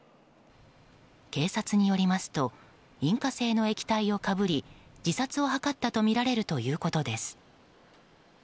警察によりますと引火性の液体をかぶり自殺を図ったとみられるということです。